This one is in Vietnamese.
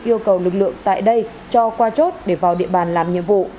yêu cầu lực lượng tại đây cho qua chốt để vào địa bàn làm nhiệm vụ